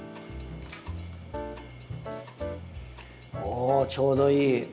おちょうどいい！